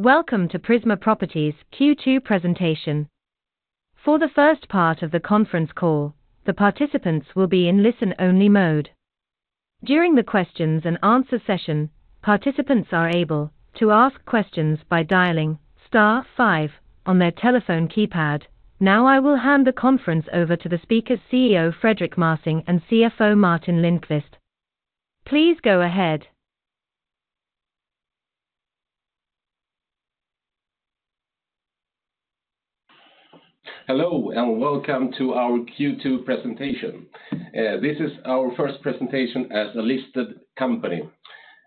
Welcome to Prisma Properties Q2 presentation. For the first part of the conference call, the participants will be in listen-only mode. During the Q&A session, participants are able to ask questions by dialing star five on their telephone keypad. Now I will hand the conference over to the speakers, CEO Fredrik Mässing and CFO Martin Lindqvist. Please go ahead. Hello and welcome to our Q2 presentation. This is our first presentation as a listed company.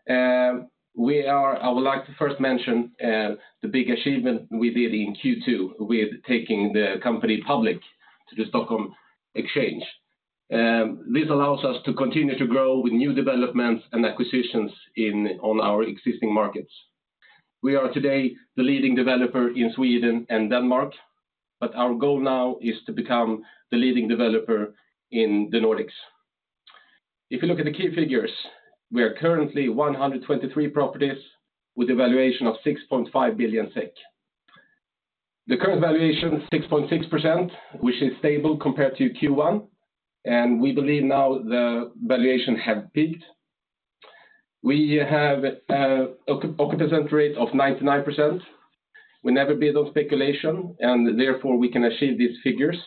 I would like to first mention the big achievement we did in Q2 with taking the company public to the Stockholm Exchange. This allows us to continue to grow with new developments and acquisitions on our existing markets. We are today the leading developer in Sweden and Denmark, but our goal now is to become the leading developer in the Nordics. If you look at the key figures, we are currently 123 properties with a valuation of 6.5 billion SEK. The current valuation is 6.6%, which is stable compared to Q1, and we believe now the valuation has peaked. We have an occupancy rate of 99%. We never build on speculation, and therefore we can achieve these figures.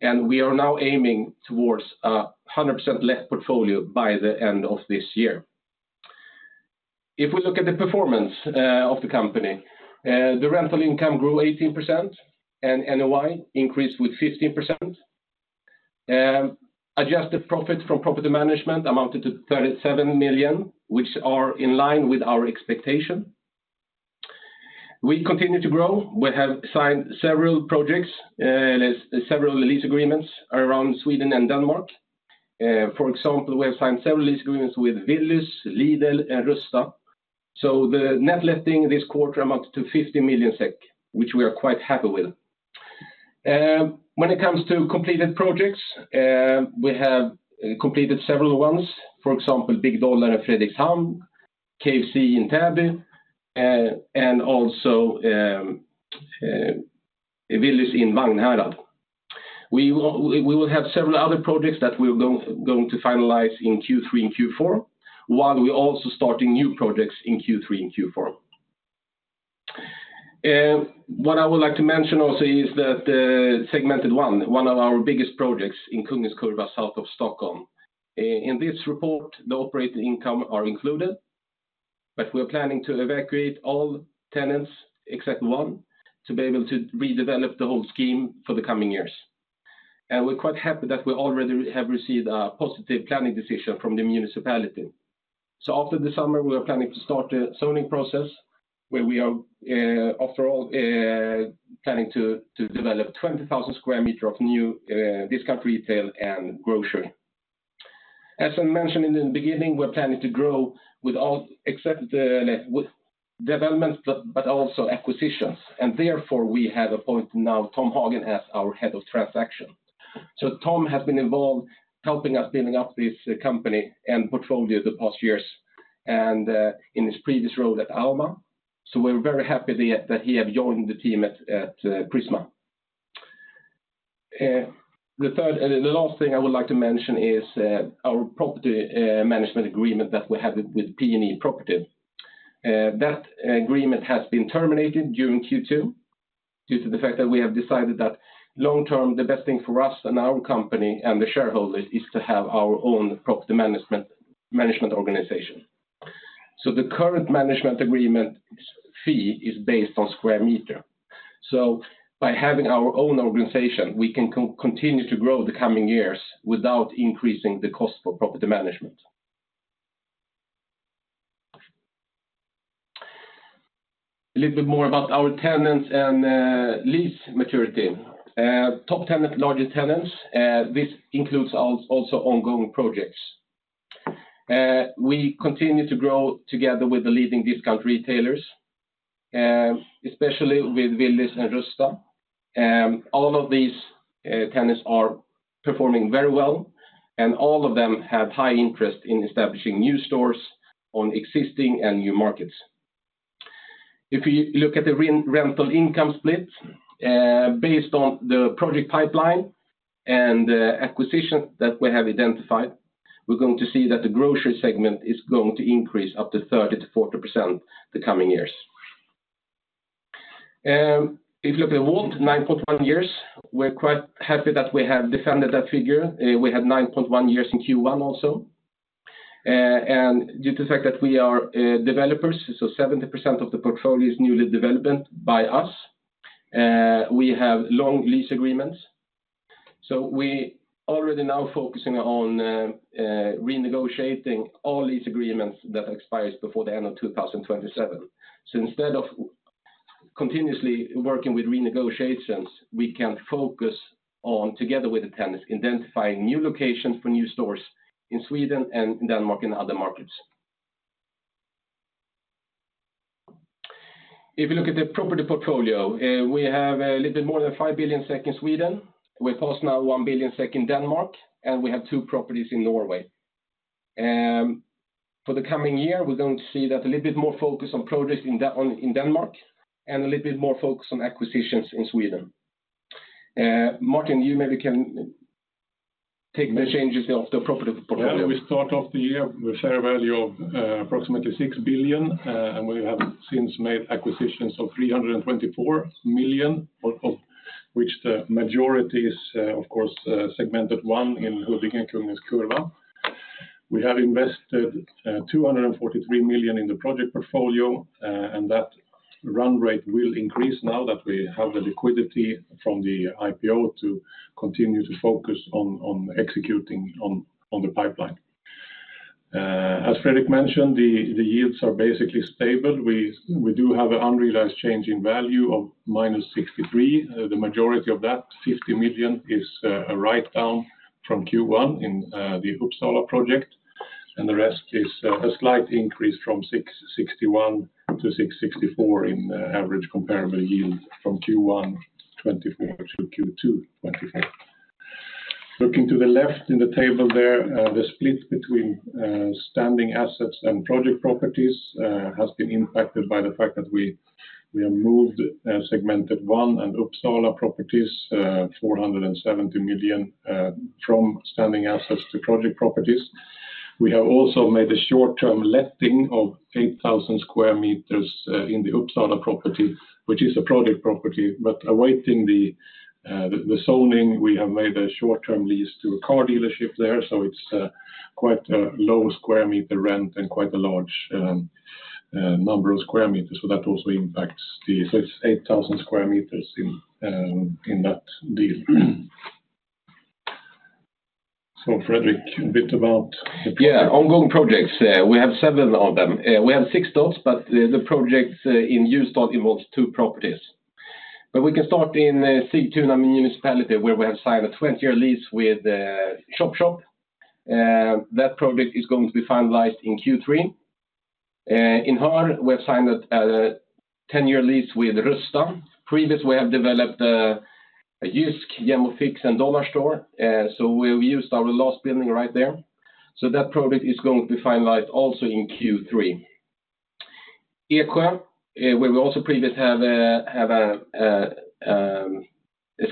We are now aiming towards a 100% leased portfolio by the end of this year. If we look at the performance of the company, the rental income grew 18%, and NOI increased with 15%. Adjusted profit from property management amounted to 37 million, which is in line with our expectation. We continue to grow. We have signed several projects, several lease agreements around Sweden and Denmark. For example, we have signed several lease agreements with Willys, Lidl, and Rusta. The net letting this quarter amounted to 50 million SEK, which we are quite happy with. When it comes to completed projects, we have completed several ones. For example, Big Dollar in Frederikshavn, KFC in Täby, and also Willys in Vagnhärad. We will have several other projects that we are going to finalize in Q3 and Q4, while we are also starting new projects in Q3 and Q4. What I would like to mention also is the Segmentet 1, one of our biggest projects in Kungens Kurva south of Stockholm. In this report, the operating income is included, but we are planning to evacuate all tenants except one to be able to redevelop the whole scheme for the coming years. We're quite happy that we already have received a positive planning decision from the municipality. So after the summer, we are planning to start the zoning process where we are planning to develop 20,000 square meters of new discount retail and grocery. As I mentioned in the beginning, we're planning to grow with developments, but also acquisitions. Therefore, we have appointed now Tom Hagen as our Head of Transaction. So Tom has been involved helping us build up this company and portfolio the past years in his previous role at Alma. So we're very happy that he has joined the team at Prisma. The last thing I would like to mention is our property management agreement that we had with P&E Property. That agreement has been terminated during Q2 due to the fact that we have decided that long-term, the best thing for us and our company and the shareholders is to have our own property management organization. So the current management agreement fee is based on square meter. So by having our own organization, we can continue to grow the coming years without increasing the cost for property management. A little bit more about our tenants and lease maturity. Top tenants, largest tenants. This includes also ongoing projects. We continue to grow together with the leading discount retailers, especially with Willys and Rusta. All of these tenants are performing very well, and all of them have high interest in establishing new stores on existing and new markets. If you look at the rental income split, based on the project pipeline and acquisitions that we have identified, we're going to see that the grocery segment is going to increase up to 30%-40% the coming years. If you look at the WALT, 9.1 years. We're quite happy that we have defended that figure. We had 9.1 years in Q1 also. Due to the fact that we are developers, so 70% of the portfolio is newly developed by us. We have long lease agreements. We are already now focusing on renegotiating all lease agreements that expire before the end of 2027. So instead of continuously working with renegotiations, we can focus on, together with the tenants, identifying new locations for new stores in Sweden and Denmark and other markets. If you look at the property portfolio, we have a little bit more than 5 billion SEK in Sweden. We pass now 1 billion SEK in Denmark, and we have two properties in Norway. For the coming year, we're going to see that a little bit more focus on projects in Denmark and a little bit more focus on acquisitions in Sweden. Martin, you maybe can take the changes of the property portfolio. Yeah, we start off the year with a fair value of approximately 6 billion, and we have since made acquisitions of 324 million, of which the majority is, of course, Segmentet 1 in Huddinge and Kungens Kurva. We have invested 243 million in the project portfolio, and that run rate will increase now that we have the liquidity from the IPO to continue to focus on executing on the pipeline. As Fredrik mentioned, the yields are basically stable. We do have an unrealized change in value of -63 million. The majority of that, 50 million, is a write-down from Q1 in the Uppsala project, and the rest is a slight increase from 661 to 664 in average comparable yield from Q1 2024 to Q2 2024. Looking to the left in the table there, the split between standing assets and project properties has been impacted by the fact that we have moved Segmentet 1 and Uppsala properties, 470 million, from standing assets to project properties. We have also made a short-term letting of 8,000 square meters in the Uppsala property, which is a project property, but awaiting the zoning, we have made a short-term lease to a car dealership there. So it's quite a low square meter rent and quite a large number of square meters. So that also impacts the, so it's 8,000 square meters in that deal. So Fredrik, a bit about the. Yeah, ongoing projects. We have 7 of them. We have 6 dots, but the projects in Hjulsbro involves two properties. But we can start in Sigtuna Municipality, where we have signed a 20-year lease with ChopChop. That project is going to be finalized in Q3. In Höör, we have signed a 10-year lease with Rusta. Previously, we have developed a JYSK, Jem & Fix, and Dollarstore. So we have used our last building right there. So that project is going to be finalized also in Q3. Eksjö, where we also previously have a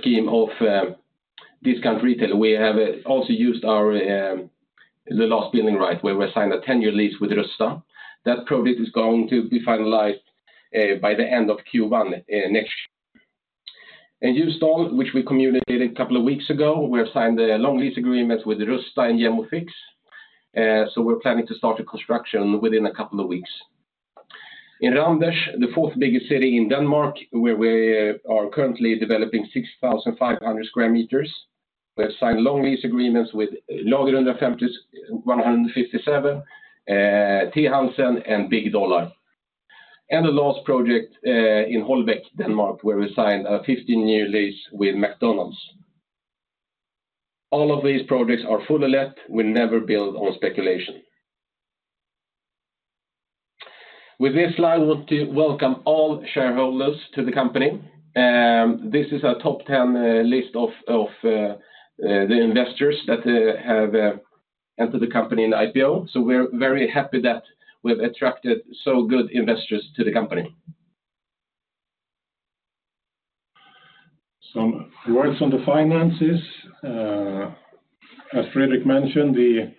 scheme of discount retail, we have also used the last building right, where we have signed a 10-year lease with Rusta. That project is going to be finalized by the end of Q1 next year. In Hjulsbro, which we communicated a couple of weeks ago, we have signed long lease agreements with Rusta and Jem & Fix. So we're planning to start construction within a couple of weeks. In Randers, the fourth biggest city in Denmark, where we are currently developing 6,500 square meters, we have signed long lease agreements with Lager 157, T. Hansen, and Dollarstore. The last project in Holbæk, Denmark, where we signed a 15-year lease with McDonald's. All of these projects are fully let. We never build on speculation. With this slide, I want to welcome all shareholders to the company. This is a top 10 list of the investors that have entered the company in IPO. So we're very happy that we've attracted so good investors to the company. Some words on the finances. As Fredrik mentioned, the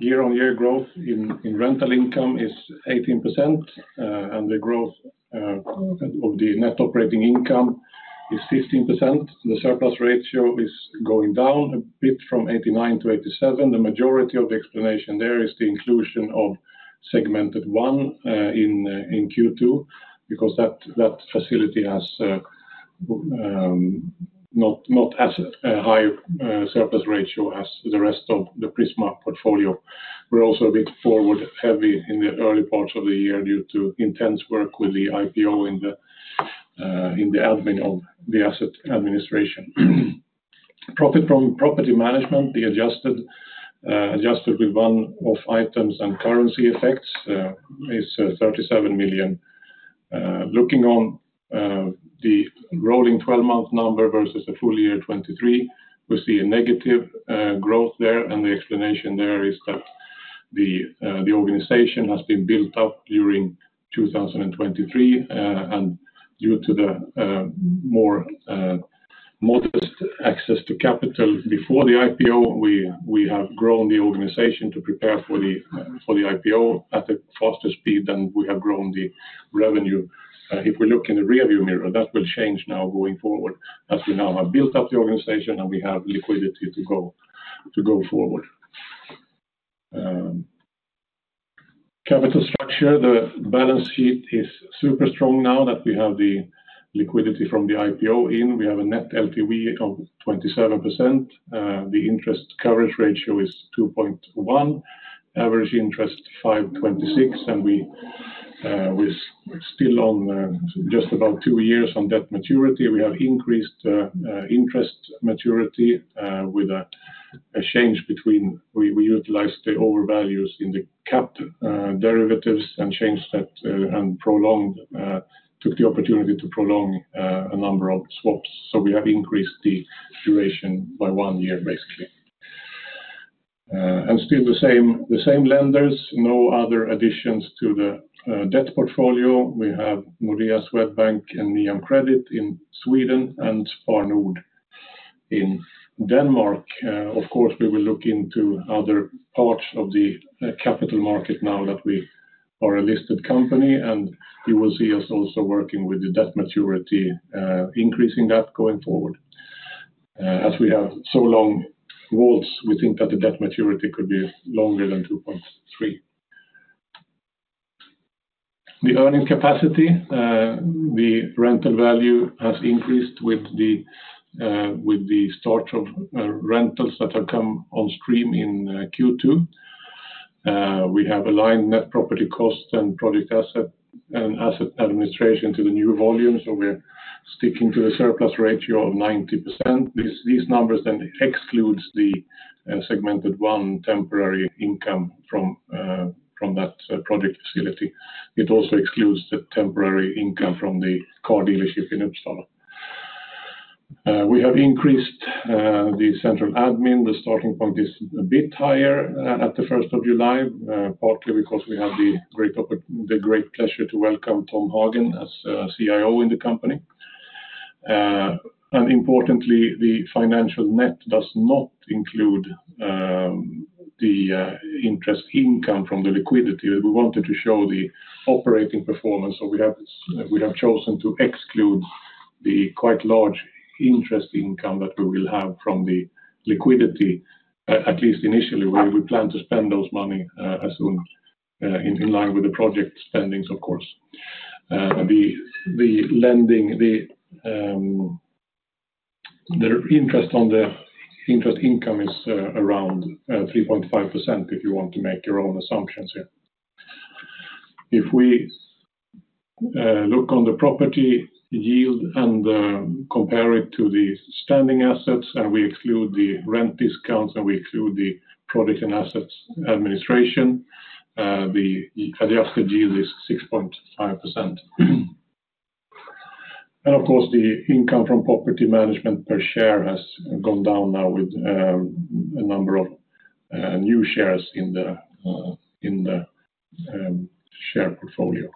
year-on-year growth in rental income is 18%, and the growth of the net operating income is 15%. The surplus ratio is going down a bit from 89% to 87%. The majority of the explanation there is the inclusion of Segmentet 1 in Q2 because that facility has not as high a surplus ratio as the rest of the Prisma portfolio. We're also a bit forward-heavy in the early parts of the year due to intense work with the IPO in the admin of the asset administration. Profit from property management, the adjusted with one-off items and currency effects, is 37 million. Looking on the rolling 12-month number versus the full year 2023, we see a negative growth there, and the explanation there is that the organization has been built up during 2023. Due to the more modest access to capital before the IPO, we have grown the organization to prepare for the IPO at a faster speed than we have grown the revenue. If we look in the rearview mirror, that will change now going forward as we now have built up the organization and we have liquidity to go forward. Capital structure, the balance sheet is super strong now that we have the liquidity from the IPO in. We have a net LTV of 27%. The interest coverage ratio is 2.1, average interest 5.26%, and we're still on just about two years on debt maturity. We have increased interest maturity with a change between we utilized the overvalues in the cap derivatives and changed that and took the opportunity to prolong a number of swaps. So we have increased the duration by one year, basically. Still the same lenders, no other additions to the debt portfolio. We have Nordea, Swedbank and Niam Credit in Sweden and Spar Nord in Denmark. Of course, we will look into other parts of the capital market now that we are a listed company, and you will see us also working with the debt maturity, increasing that going forward. As we have so long WALTs, we think that the debt maturity could be longer than 2.3. The earning capacity, the rental value has increased with the start of rentals that have come on stream in Q2. We have aligned net property cost and project asset and asset administration to the new volume, so we're sticking to the surplus ratio of 90%. These numbers then exclude the Segmentet 1 temporary income from that project facility. It also excludes the temporary income from the car dealership in Uppsala. We have increased the central admin. The starting point is a bit higher at the 1st of July, partly because we have the great pleasure to welcome Tom Hagen as CIO in the company. Importantly, the financial net does not include the interest income from the liquidity. We wanted to show the operating performance, so we have chosen to exclude the quite large interest income that we will have from the liquidity, at least initially. We plan to spend those money as soon in line with the project spendings, of course. The interest income is around 3.5% if you want to make your own assumptions here. If we look on the property yield and compare it to the standing assets and we exclude the rent discounts and we exclude the project and assets administration, the adjusted yield is 6.5%. Of course, the income from property management per share has gone down now with a number of new shares in the share portfolio.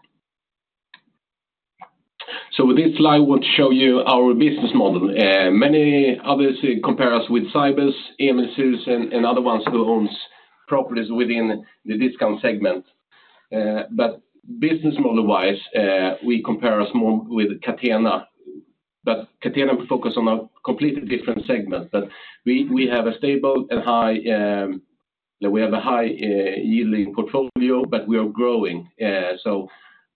So with this slide, I want to show you our business model. Many others compare us with Cibus, Emilshus, and other ones who own properties within the discount segment. But business model-wise, we compare us more with Catena. But Catena focuses on a completely different segment. But we have a stable and high, we have a high yielding portfolio, but we are growing.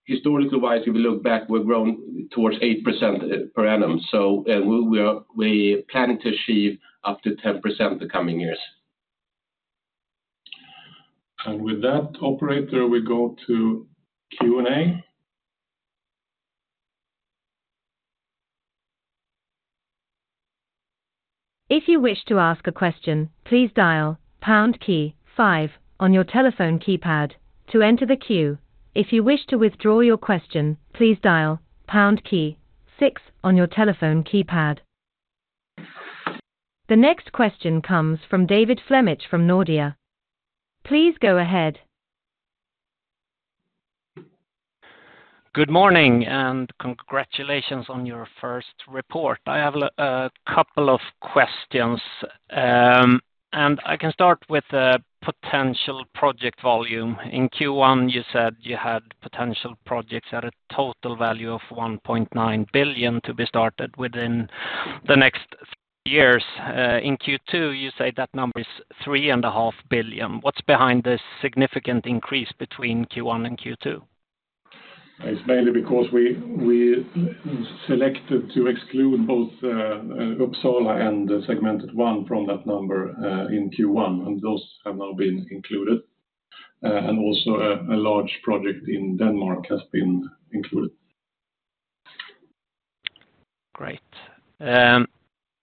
So historically-wise, if we look back, we've grown towards 8% per annum. So we are planning to achieve up to 10% in the coming years. With that, operator, we go to Q&A. If you wish to ask a question, please dial pound key five on your telephone keypad to enter the queue. If you wish to withdraw your question, please dial pound key six on your telephone keypad. The next question comes from David Flemmich from Nordea. Please go ahead. Good morning and congratulations on your first report. I have a couple of questions. I can start with the potential project volume. In Q1, you said you had potential projects at a total value of 1.9 billion to be started within the next years. In Q2, you say that number is 3.5 billion. What's behind this significant increase between Q1 and Q2? It's mainly because we selected to exclude both Uppsala and Segmentet 1 from that number in Q1, and those have now been included. And also a large project in Denmark has been included. Great.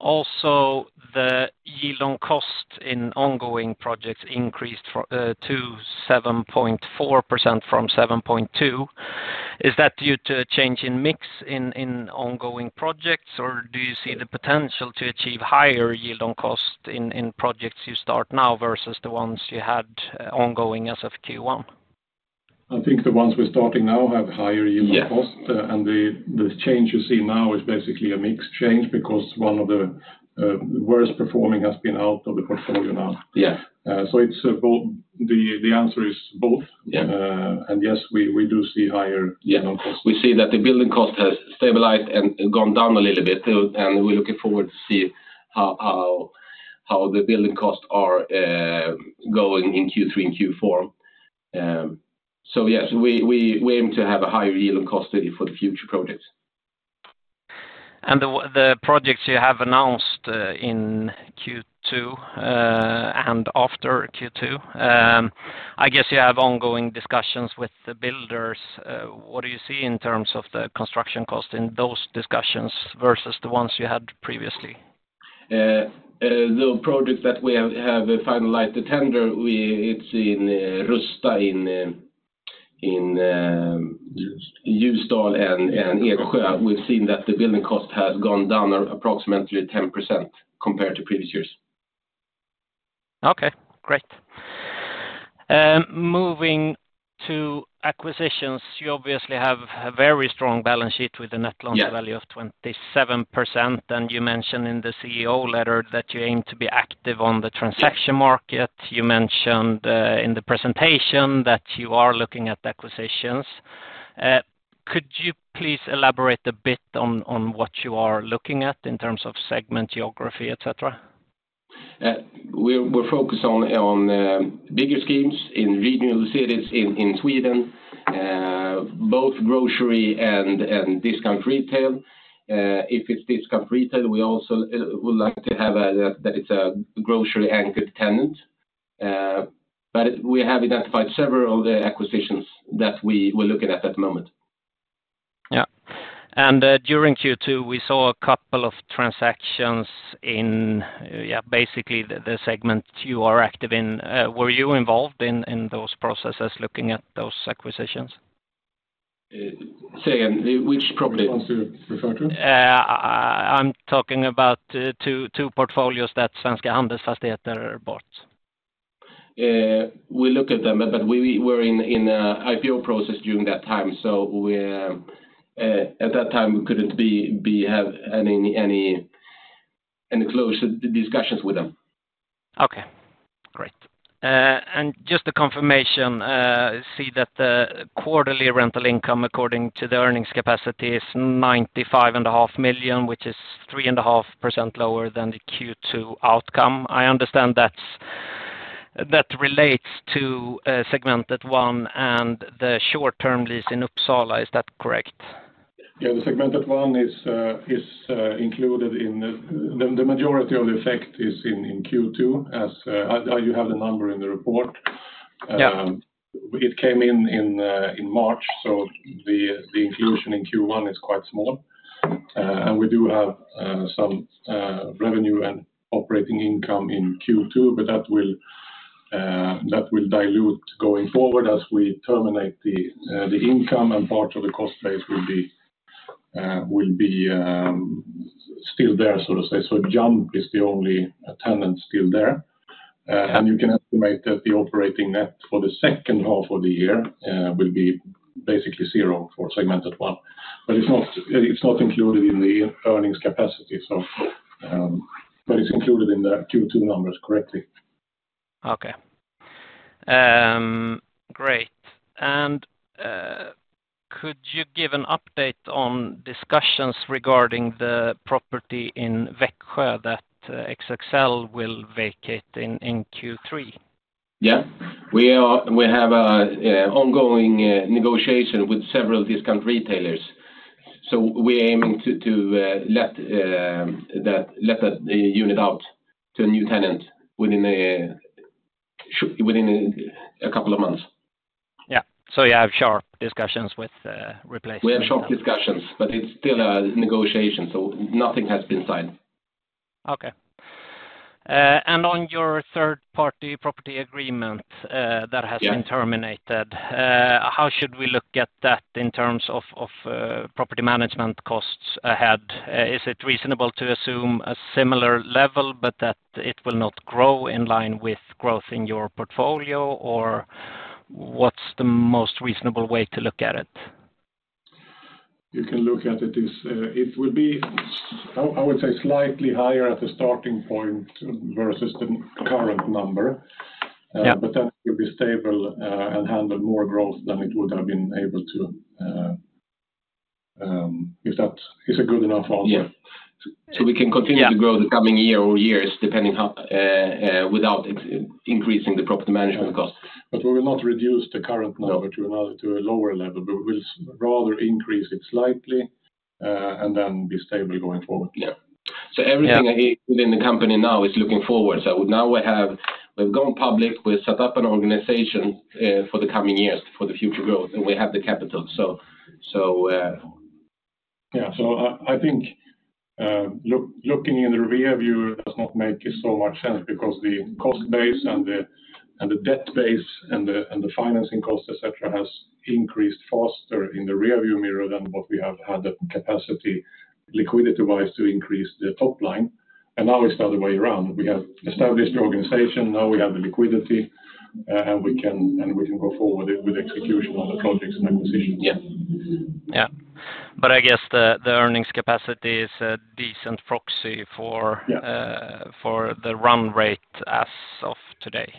Also, the yield on cost in ongoing projects increased to 7.4% from 7.2%. Is that due to a change in mix in ongoing projects, or do you see the potential to achieve higher yield on cost in projects you start now versus the ones you had ongoing as of Q1? I think the ones we're starting now have higher yield on cost, and the change you see now is basically a mixed change because one of the worst performing has been out of the portfolio now. So the answer is both. And yes, we do see higher yield on cost. Yeah, we see that the building cost has stabilized and gone down a little bit, and we're looking forward to see how the building costs are going in Q3 and Q4. So yes, we aim to have a higher yield on cost for the future projects. The projects you have announced in Q2 and after Q2, I guess you have ongoing discussions with the builders. What do you see in terms of the construction cost in those discussions versus the ones you had previously? The project that we have finalized the tender, it's in Rusta in Hjulsbro and Eksjö. We've seen that the building cost has gone down approximately 10% compared to previous years. Okay, great. Moving to acquisitions, you obviously have a very strong balance sheet with a net loan-to-value of 27%, and you mentioned in the CEO letter that you aim to be active on the transaction market. You mentioned in the presentation that you are looking at acquisitions. Could you please elaborate a bit on what you are looking at in terms of segment geography, etc.? We're focused on bigger schemes in regional cities in Sweden, both grocery and discount retail. If it's discount retail, we also would like to have that it's a grocery-anchored tenant. But we have identified several acquisitions that we were looking at at the moment. Yeah. During Q2, we saw a couple of transactions in, yeah, basically the segment you are active in. Were you involved in those processes looking at those acquisitions? Say again, which property? The ones you referred to? I'm talking about two portfolios that Svenska Handelsfastigheter bought. We looked at them, but we were in an IPO process during that time. At that time, we couldn't have any closed discussions with them. Okay, great. Just a confirmation, I see that the quarterly rental income according to the earnings capacity is 95.5 million, which is 3.5% lower than the Q2 outcome. I understand that relates to Segmentet 1 and the short-term lease in Uppsala. Is that correct? Yeah, the Segmentet 1 is included in the majority of the effect is in Q2, as you have the number in the report. It came in March, so the inclusion in Q1 is quite small. And we do have some revenue and operating income in Q2, but that will dilute going forward as we terminate the income, and part of the cost base will be still there, so to say. So Jump is the only tenant still there. And you can estimate that the operating net for the second half of the year will be basically zero for Segmentet 1. But it's not included in the earnings capacity, but it's included in the Q2 numbers correctly. Okay. Great. And could you give an update on discussions regarding the property in Växjö that XXL will vacate in Q3? Yeah. We have an ongoing negotiation with several discount retailers. So we're aiming to let that unit out to a new tenant within a couple of months. Yeah. So you have sharp discussions with replacement. We have sharp discussions, but it's still a negotiation, so nothing has been signed. Okay. And on your third-party property agreement that has been terminated, how should we look at that in terms of property management costs ahead? Is it reasonable to assume a similar level, but that it will not grow in line with growth in your portfolio, or what's the most reasonable way to look at it? You can look at it. It will be, I would say, slightly higher at the starting point versus the current number, but then it will be stable and handle more growth than it would have been able to if that is a good enough answer. We can continue to grow the coming year or years without increasing the property management cost. But we will not reduce the current number to a lower level. We will rather increase it slightly and then be stable going forward. Yeah. So everything within the company now is looking forward. So now we have gone public. We've set up an organization for the coming years for the future growth, and we have the capital. So. Yeah. So I think looking in the rearview does not make so much sense because the cost base and the debt base and the financing cost, etc., has increased faster in the rearview mirror than what we have had the capacity liquidity-wise to increase the top line. And now we start the way around. We have established the organization. Now we have the liquidity, and we can go forward with execution on the projects and acquisitions. Yeah. Yeah. But I guess the earnings capacity is a decent proxy for the run rate as of today.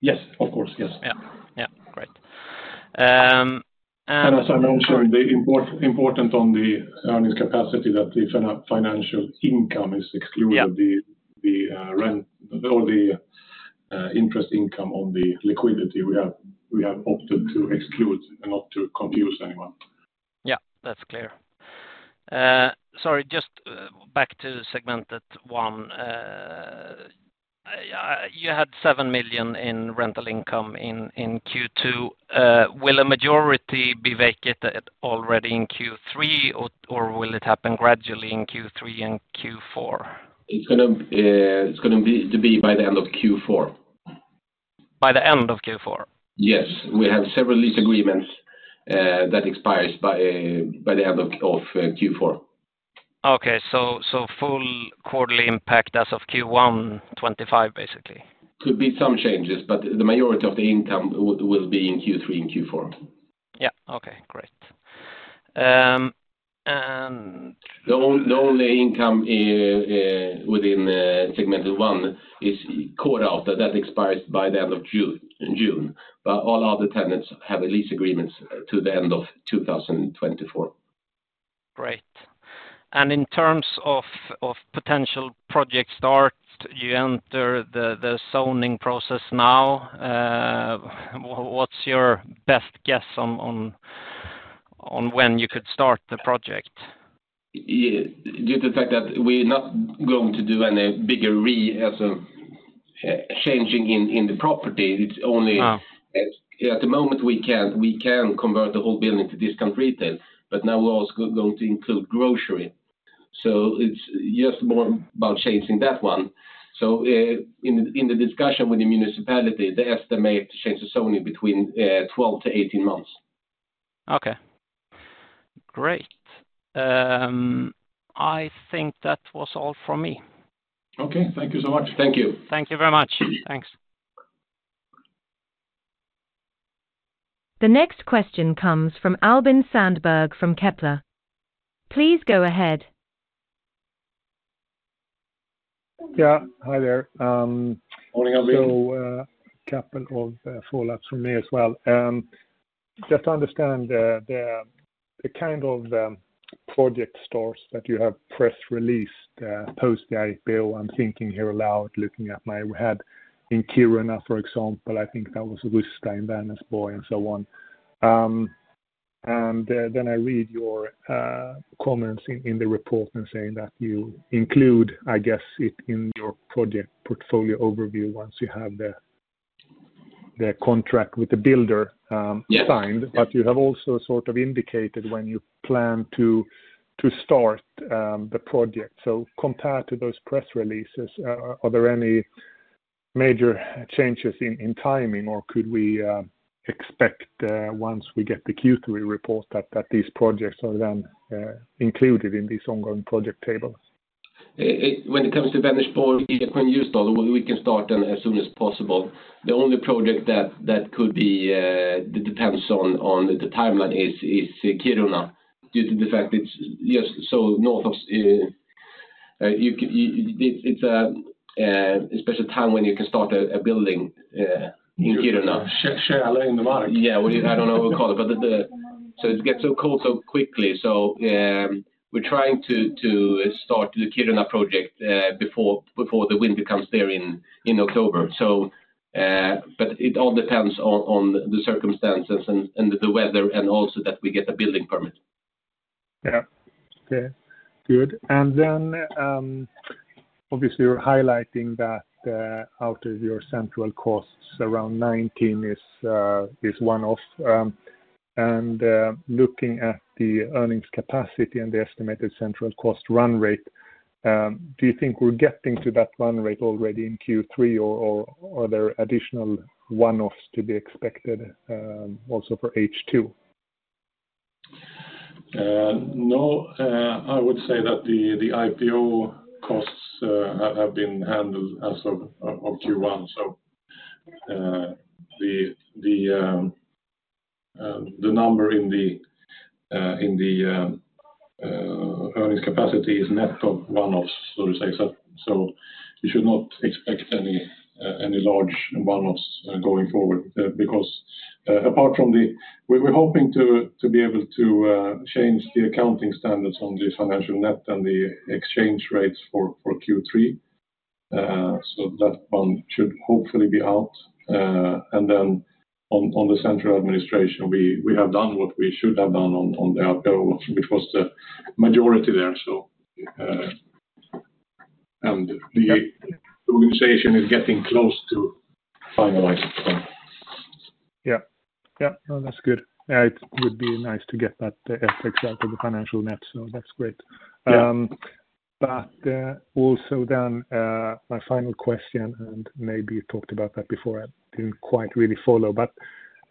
Yes, of course. Yes. Yeah. Yeah. Great. As I mentioned, important on the earnings capacity that the financial income is excluded, the rent or the interest income on the liquidity we have opted to exclude and not to confuse anyone. Yeah, that's clear. Sorry, just back to Segmentet 1. You had 7 million in rental income in Q2. Will a majority be vacated already in Q3, or will it happen gradually in Q3 and Q4? It's going to be by the end of Q4. By the end of Q4? Yes. We have several lease agreements that expire by the end of Q4. Okay. So full quarterly impact as of Q1 2025 basically. Could be some changes, but the majority of the income will be in Q3 and Q4. Yeah. Okay. Great. And. The only income within Segmentet 1 is core out that expires by the end of June. But all other tenants have lease agreements to the end of 2024. Great. And in terms of potential project start, you enter the zoning process now. What's your best guess on when you could start the project? Due to the fact that we're not going to do any bigger changing in the property. It's only at the moment we can convert the whole building to discount retail, but now we're also going to include grocery. So it's just more about changing that one. So in the discussion with the municipality, the estimate to change the zoning between 12-18 months. Okay. Great. I think that was all from me. Okay. Thank you so much. Thank you. Thank you very much. Thanks. The next question comes from Albin Sandberg from Kepler. Please go ahead. Yeah. Hi there. Morning, Albert. So, a question from me as well. Just to understand the kind of projects that you have press releases post the IPO, I'm thinking here aloud, looking ahead in Kiruna, for example. I think that was Rusta in Vänersborg, and so on. And then I read your comments in the report and saying that you include, I guess, it in your project portfolio overview once you have the contract with the builder signed. But you have also sort of indicated when you plan to start the project. So compared to those press releases, are there any major changes in timing, or could we expect once we get the Q3 report that these projects are then included in these ongoing project tables? When it comes to Vänersborg, we can start as soon as possible. The only project that could be that depends on the timeline is Kiruna. Due to the fact it's just so north of it, it's a special time when you can start a building in Kiruna. Sell in the market. Yeah. I don't know what we call it, but so it gets so cold so quickly. So we're trying to start the Kiruna project before the winter comes there in October. But it all depends on the circumstances and the weather and also that we get a building permit. Yeah. Okay. Good. And then obviously you're highlighting that out of your central costs, around 19 is one-off. And looking at the earnings capacity and the estimated central cost run rate, do you think we're getting to that run rate already in Q3, or are there additional one-offs to be expected also for H2? No. I would say that the IPO costs have been handled as of Q1. So the number in the earnings capacity is net of one-offs, so to say. So you should not expect any large one-offs going forward because apart from the we're hoping to be able to change the accounting standards on the financial net and the exchange rates for Q3. So that one should hopefully be out. And then on the central administration, we have done what we should have done on the IPO, which was the majority there. And the organization is getting close to finalized. Yeah. Yeah. No, that's good. Yeah. It would be nice to get that XXL to the financial net, so that's great. But also then my final question, and maybe you talked about that before. I didn't quite really follow, but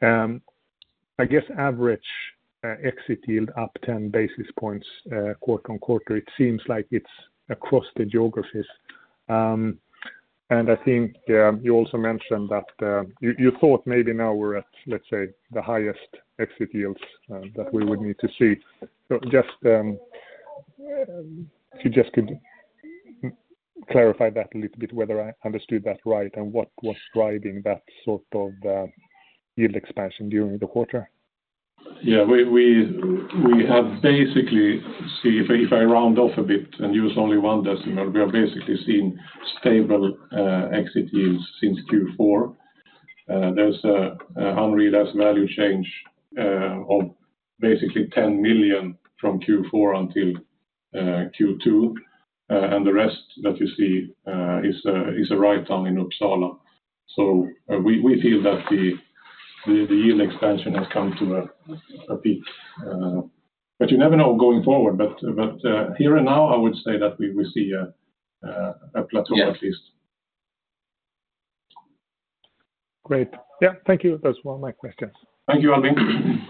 I guess average exit yield up 10 basis points quarter-on-quarter. It seems like it's across the geographies. And I think you also mentioned that you thought maybe now we're at, let's say, the highest exit yields that we would need to see. So just if you just could clarify that a little bit, whether I understood that right and what was driving that sort of yield expansion during the quarter. Yeah. We have basically seen if I round off a bit and use only one decimal, we have basically seen stable exit yields since Q4. There's an unrealized value change of basically 10 million from Q4 until Q2. The rest that you see is a write-down in Uppsala. We feel that the yield expansion has come to a peak. You never know going forward. Here and now, I would say that we see a plateau at least. Great. Yeah. Thank you. That's all my questions. Thank you, Albin.